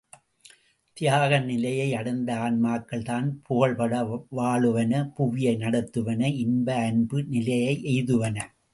தியாக நிலையை அடைந்த ஆன்மாக்கள் தான் புகழ்பட வாழுவன புவியை நடத்துவன இன்ப அன்பு நிலையை எய்துவன.